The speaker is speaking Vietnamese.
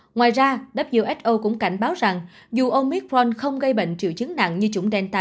ngoài ra who cũng cảnh báo rằng dù omicron không gây bệnh triệu chứng nặng như chủng delta